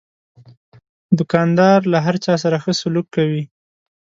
دوکاندار له هر چا سره ښه سلوک کوي.